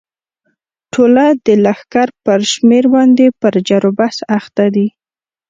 ټوله د لښکر پر شمېر باندې په جرو بحث اخته دي.